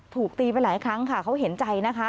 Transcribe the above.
ถูกตีไปหลายครั้งค่ะเขาเห็นใจนะคะ